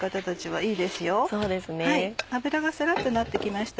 はい。